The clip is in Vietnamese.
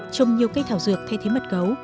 trong nhiều cây thảo dược thay thế mật gấu